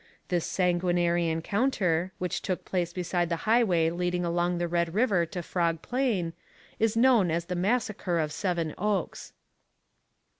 This sanguinary encounter, which took place beside the highway leading along the Red River to Frog Plain, is known as the massacre of Seven Oaks.